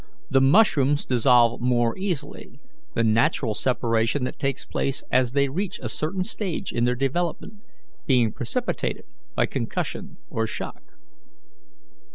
The mushrooms dissolve more easily; the natural separation that takes place as they reach a certain stage in their development being precipitated by concussion or shock.